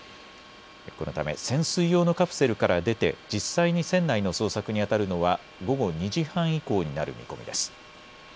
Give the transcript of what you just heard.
このため潜水用のカプセルから出て実際に船内の捜索にあたるのは午後２時半以降になる見込みです。